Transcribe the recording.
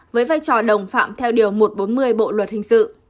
với vai trò đồng phạm theo điều một trăm bốn mươi bộ luật hình sự